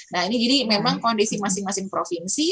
nah ini jadi memang kondisi masing masing provinsi